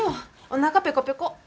おなかペコペコ！